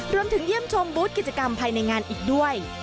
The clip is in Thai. รวมถึงเยี่ยมชมบุฒิกิจกรรมภายในงานอีกด้วย